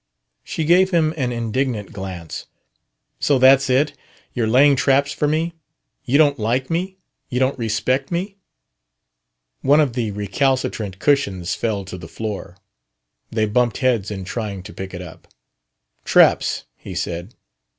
She gave him an indignant glance. "So that's it? You're laying traps for me? You don't like me! You don't respect me!" One of the recalcitrant cushions fell to the floor. They bumped heads in trying to pick it up. "Traps!" he said.